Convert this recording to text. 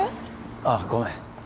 ああごめん